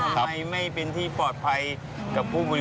ทำไมไม่เป็นที่ปลอดภัยกับผู้บริ